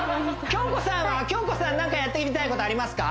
京子さん何かやってみたいことありますか？